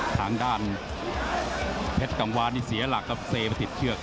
ทางด้านเพชรกังวานนี่เสียหลักครับเซไปติดเชือก